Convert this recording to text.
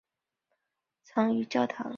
常见于教堂庭院或花园的废弃地。